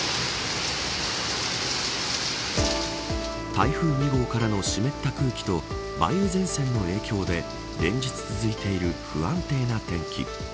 台風２号からの湿った空気と梅雨前線の影響で連日続いている不安定な天気。